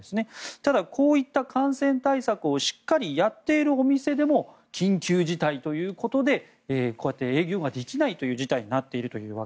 ただ、こういった感染対策をしっかりやっているお店でも緊急事態ということで営業ができないという事態になっていると。